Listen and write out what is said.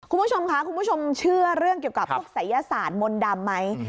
คุณผู้ชมค่ะคุณผู้ชมเชื่อเรื่องเกี่ยวกับพวกศัยศาสตร์มนต์ดำไหม